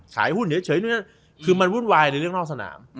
ขายหุ้นเฉยนู่นคือมันวุ่นวายในเรื่องนอกสนาม